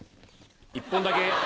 １本だけ。